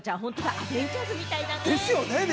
アベンジャーズみたい。